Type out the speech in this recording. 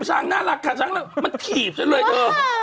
ช้างน่ารักค่ะช้างมันถีบฉันเลยเธอ